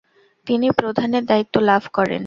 তিনি প্রধানের দায়িত্ব লাভ করেন।